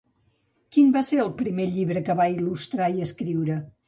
Quin va ser el primer llibre que va il·lustrar i escriure?